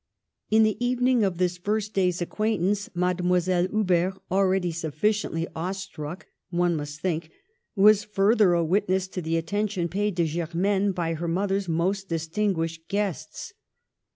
In the even ing of this first day's acquaintance, Mademoiselle Huber, already sufficiently awe struck, one must think, was further a witness to the attention paid to Germaine by her mother's most distinguished guests.